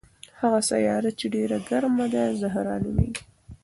هغه سیاره چې ډېره ګرمه ده زهره نومیږي.